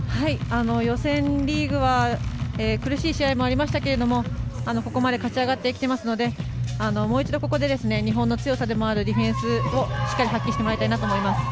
予選リーグは苦しい試合もありましたけれどもここまで勝ち上がってきてますのでもう一度、ここで日本の強さでもあるディフェンスをしっかり発揮してもらいたいなと思います。